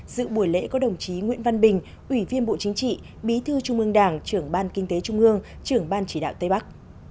dự buổi lễ có đồng chí nguyễn văn bình ủy viên bộ chính trị bí thư trung ương đảng trưởng ban kinh tế trung ương trưởng ban chỉ đạo tây bắc